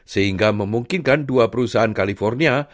sehingga memungkinkan dua perusahaan california